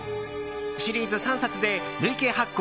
シリーズ３冊で累計発行